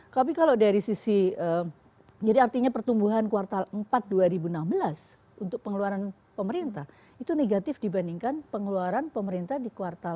tapi kalau dari sisi jadi artinya pertumbuhan kuartal empat dua ribu enam belas untuk pengeluaran pemerintah itu negatif dibandingkan pengeluaran pemerintah di kuartal empat